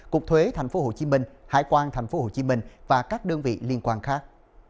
cục thuế tp hcm hải quan tp hcm và các đơn vị liên quan khác